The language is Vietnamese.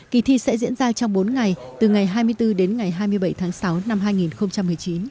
kỳ thi sẽ diễn ra trong bốn ngày từ ngày hai mươi bốn đến ngày hai mươi bảy tháng sáu năm hai nghìn một mươi chín